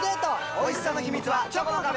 おいしさの秘密はチョコの壁！